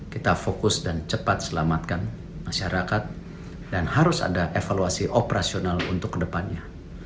kita fokus dan cepat selamatkan masyarakat dan harus ada evaluasi operasional untuk kedepannya